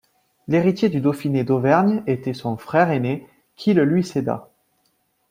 L'héritier du dauphiné d'Auvergne était son frère aîné, qui le lui céda.